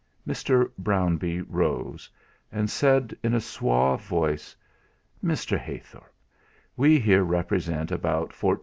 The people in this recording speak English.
Mr. Brownbee rose, and said in a suave voice: "Mr. Heythorp, we here represent about L14,000.